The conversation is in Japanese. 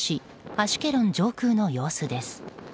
アシュケロン上空の様子です。